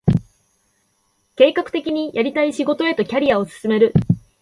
計画的にやりたい仕事へとキャリアを進める